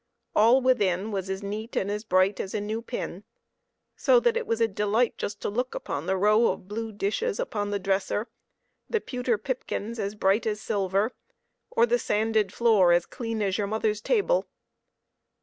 All within was as neat and as bright as a new pin, so that it was a delight just to look upon the row of blue dishes upon the dresser, the pewter pipkins as bright as silver, or the sanded floor, as clean as your mother's table.